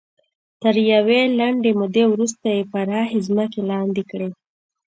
تر یوې لنډې مودې وروسته یې پراخې ځمکې لاندې کړې.